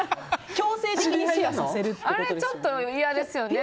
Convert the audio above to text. あれちょっと嫌ですよね。